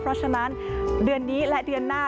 เพราะฉะนั้นเดือนนี้และเดือนหน้า